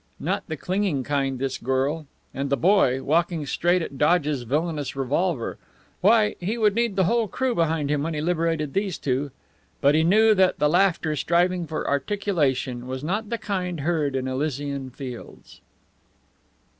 Not the clinging kind, this girl! And the boy, walking straight at Dodge's villainous revolver! Why, he would need the whole crew behind him when he liberated these two! But he knew that the laughter striving for articulation was not the kind heard in Elysian fields!